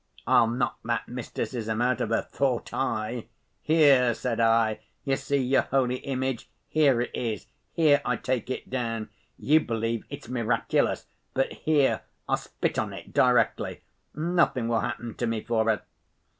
I'll knock that mysticism out of her, thought I! 'Here,' said I, 'you see your holy image. Here it is. Here I take it down. You believe it's miraculous, but here, I'll spit on it directly and nothing will happen to me for it!